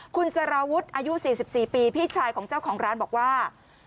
คุณสารวุฒิอายุ๔๔ปีพี่ชายของเจ้าของร้านบอกว่า